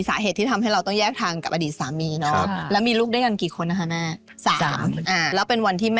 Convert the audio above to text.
ใช่ค่ะ